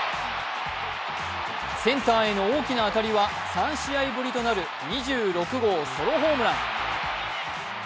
センターへの大きな当たりは３試合ぶりとなる２６号ソロホームラン。